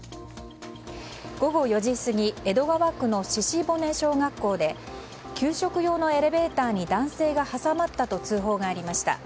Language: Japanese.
午後４時過ぎ江戸川区の鹿骨小学校で給食用のエレベーターに男性が挟まったと通報がありました。